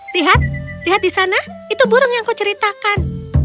lihat lihat di sana itu burung yang kau ceritakan